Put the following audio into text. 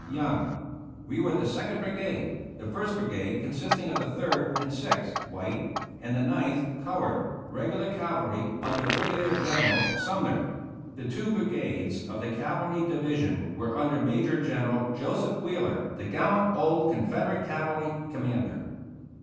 Young. We were the Second Brigade, the First Brigade consisting of the Third and Sixth (white), and the Ninth (colored) Regular Cavalry under Brigadier General Sumner. The two brigades of the cavalry division were under Major General Joseph Wheeler, the gallant old Confederate cavalry commander.